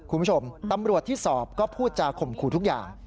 คุณผู้ชมตำรวจที่สอบก็พูดจาข่มขู่ทุกอย่าง